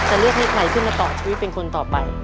จะเลือกนิดไหนขึ้นมาต่อชีวิตเป็นคนต่อไป